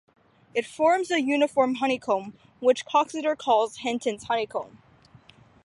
It forms a uniform honeycomb which Coxeter calls Hinton's honeycomb.